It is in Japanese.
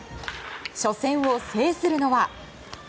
初戦を制するのは。